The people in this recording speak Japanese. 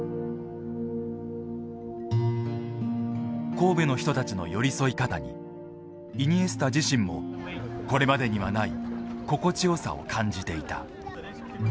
神戸の人たちの寄り添い方にイニエスタ自身もこれまでにはない心地よさを感じていた。